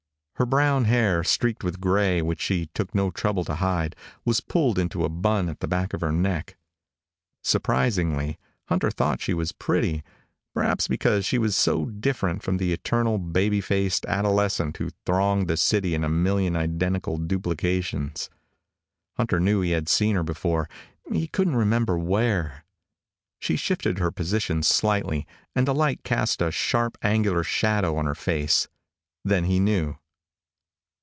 Her brown hair, streaked with a gray which she took no trouble to hide, was pulled into a bun at the back of her neck. Surprisingly, Hunter thought she was pretty, perhaps because she was so different from the eternal, baby faced adolescent who thronged the city in a million identical duplications. Hunter knew he had seen her before. He couldn't remember where. She shifted her position slightly and the light cast a sharp, angular shadow on her face. Then he knew.